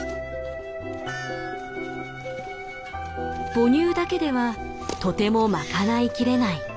母乳だけではとても賄いきれない。